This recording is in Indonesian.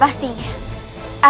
aku akan menangkapnya